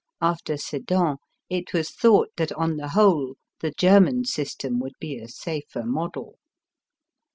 After Sedan it was thought that on the whole the German system would be a a safer model.